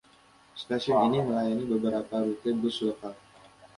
Stasiun ini melayani beberapa rute bus lokal.